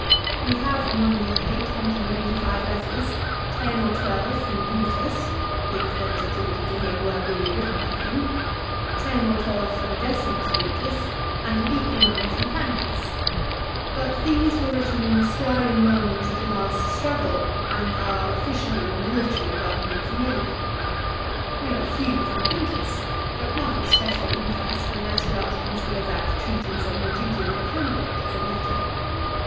We have among the 885 letters ten or twelve from Brutus, if those attributed to him were really written by him ; ten or twelve from Decimus Brutus, and an equal number from Plancus ; but these were written in the stirring moments of the last struggle, and are official or military rather than familiar. We have a few from Quintus, but not of special interest unless we are to consider that treatise on the duties of a candidate as a letter.